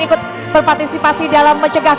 ikut berpartisipasi dalam pencegahan